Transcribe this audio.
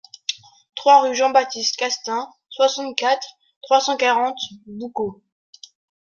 trois rue Jean-Baptiste Castaings, soixante-quatre, trois cent quarante, Boucau